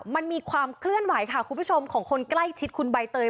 มันมีความเคลื่อนไหวค่ะคุณผู้ชมของคนใกล้ชิดคุณใบเตย